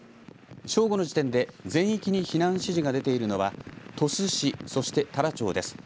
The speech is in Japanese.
正午の時点で全域に避難指示が出ているのは鳥栖市、そして太良町です。